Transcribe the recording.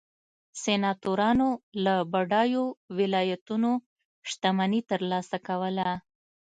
سناتورانو له بډایو ولایتونو شتمني ترلاسه کوله